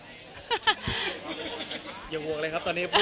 แต่ว่าเราสองคนเห็นตรงกันว่าก็คืออาจจะเรียบง่าย